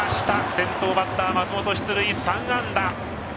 先頭バッターの松本、出塁これで３安打。